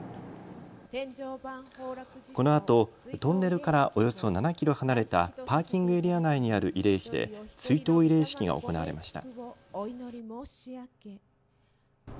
このあとトンネルからおよそ７キロ離れたパーキングエリア内にある慰霊碑で追悼慰霊式が行われました。